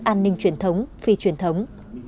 an ninh truyền thống phi truyền thống